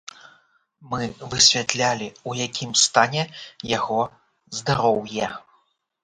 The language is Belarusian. Мы высвятлялі, у якім стане яго здароўе.